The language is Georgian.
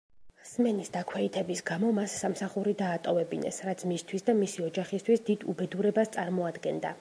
სმენის დაქვეითების გამო მას სამსახური დაატოვებინეს, რაც მისთვის და მისი ოჯახისთვის დიდ უბედურებას წარმოადგენდა.